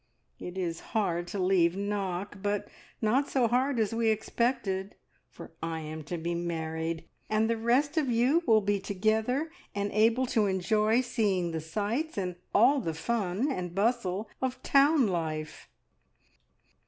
It is hard to leave Knock, but not so hard as we expected, for I am to be married, and the rest of you will be together, and able to enjoy seeing the sights, and all the fun and bustle of town life."